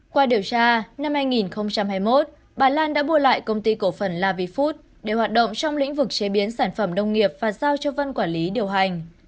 qua điều tra năm hai nghìn hai mươi một bài lan đã bùa lại công ty cổ phần lavifood để hoạt động trong lĩnh vực chế biến sản phẩm đông nghiệp và giao cho vân quản lý điều hành